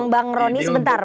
bang roni sebentar